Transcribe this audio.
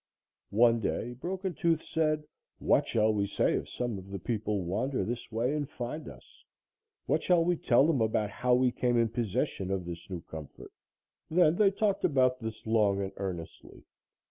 One day Broken Tooth said: "What shall we say if some of the people wander this way and find us? What shall we tell them about how we came in possession of this new comfort?" Then they talked about this long and earnestly.